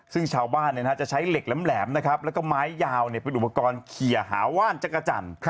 ซึ่งชาวบ้านจะใช้เหล็กแหลมนะครับแล้วก็ไม้ยาวเป็นอุปกรณ์เคลียร์หาว่านจักรจันทร์